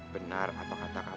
benar apa kata kamu raja jinggong